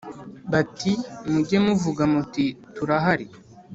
bati “Mujye muvuga muti turahari